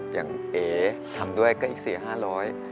อย่างเอ๋ทำด้วยก็อีกสี่ห้าร้อย